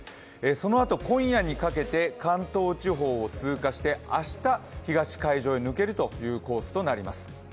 そのあと今夜にかけて関東地方を通過して明日、東海上へ抜けるというコースとなります。